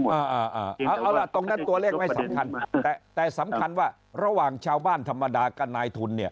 เอาล่ะตรงนั้นตัวเลขไม่สำคัญแต่แต่สำคัญว่าระหว่างชาวบ้านธรรมดากับนายทุนเนี่ย